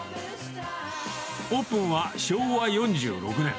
オープンは昭和４６年。